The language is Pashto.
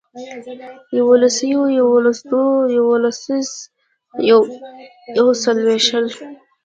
یوسلویو, یوسلودوه, یوسلولس, یوسلوشل